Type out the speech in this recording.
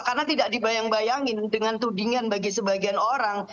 karena tidak dibayang bayangin dengan tudingan bagi sebagian orang